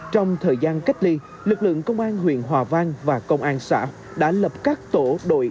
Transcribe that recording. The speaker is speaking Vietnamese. trong thời gian cách ly lực lượng công an huyện hòa vang và công an xã đã lập các tổ đội